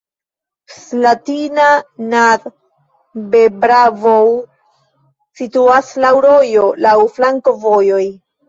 Slatina nad Bebravou situas laŭ rojo, laŭ flankovojoj.